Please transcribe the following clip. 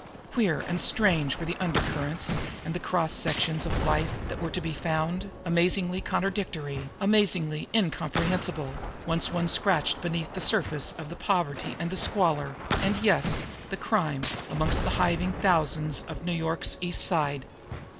Queer and strange were the undercurrents and the cross sections of life that were to be found, amazingly contradictory, amazingly incomprehensible, once one scratched beneath the surface of the poverty and the squalor, and, yes, the crime, amongst the hiving thousands of New York's East Side!